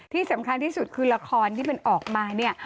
ที่สำคัญที่สุดคือละครที่มันออกมาเนี่ย